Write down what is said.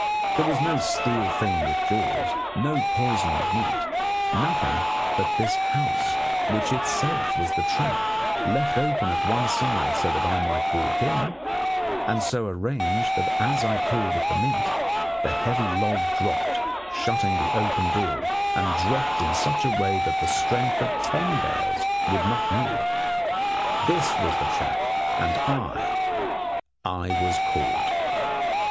There was no steel thing with jaws; no poisoned meat; nothing but this house, which itself was the trap, left open at one side so that I might walk in, and so arranged that as I pulled at the meat the heavy log dropped, shutting the open door, and dropped in such a way that the strength of ten bears would not move it. This was the trap, and I I was caught!